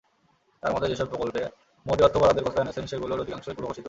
তাঁর মতে, যেসব প্রকল্পে মোদি অর্থ বরাদ্দের কথা জানিয়েছেন, সেগুলোর অধিকাংশই পূর্বঘোষিত।